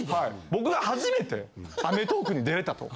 僕が初めて『アメトーーク！』に出れたと。